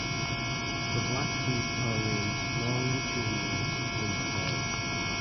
The black seeds are arranged longitudinally within the pod.